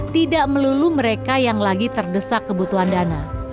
tidak melulu mereka yang lagi terdesak kebutuhan dana